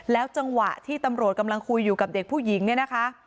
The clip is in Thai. จังหวะที่ตำรวจกำลังคุยอยู่กับเด็กผู้หญิงเนี่ยนะคะ